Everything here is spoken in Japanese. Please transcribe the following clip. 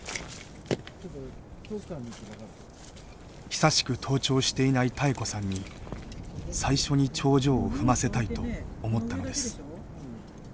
久しく登頂していない妙子さんに最初に頂上を踏ませたいと思ったのです。